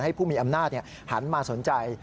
ผู้มีอำนาจหันมาสนใจ